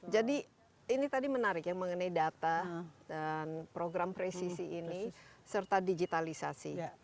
jadi ini tadi menarik ya mengenai data dan program presisi ini serta digitalisasi